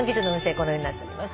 このようになっております。